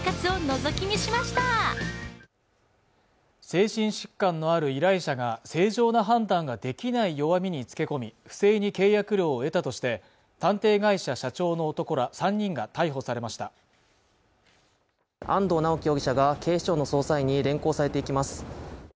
精神疾患のある依頼者が正常な判断ができない弱みにつけ込み不正に契約料を得たとして探偵会社社長の男ら３人が逮捕されました安藤巨樹容疑者が警視庁の捜査員に連行されていきます